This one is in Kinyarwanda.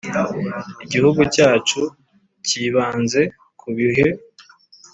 Igihugu cyacu Cyibanze ku bihe.